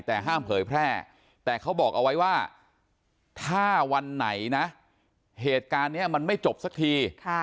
แต่ห้ามเผยแพร่แต่เขาบอกเอาไว้ว่าถ้าวันไหนนะเหตุการณ์นี้มันไม่จบสักที